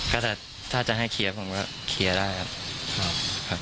ก็ถ้าจะให้เคลียร์ผมก็เคลียร์ได้ครับ